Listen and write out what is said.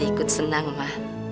tante ikut senang ma